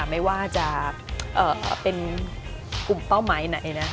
ไม่ว่าจะเป็นกลุ่มเป้าหมายไหนนะ